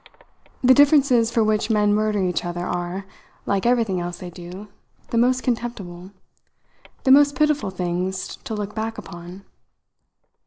The differences for which men murder each other are, like everything else they do, the most contemptible, the most pitiful things to look back upon.